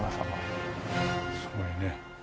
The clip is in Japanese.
すごいね。